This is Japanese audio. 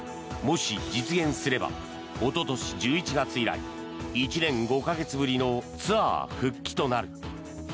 もし実現すればおととし１１月以来１年５か月ぶりのツアー復帰となる。